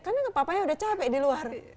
karena papanya udah capek di luar